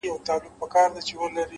مثبت ذهن بدلون ته چمتو وي’